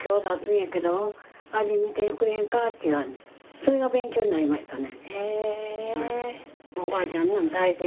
それが勉強になりましたね。